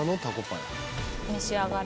召し上がれ。